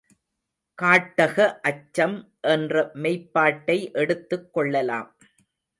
காட்டாக அச்சம் என்ற மெய்ப்பாட்டை எடுத்துக் கொள்ளலாம்.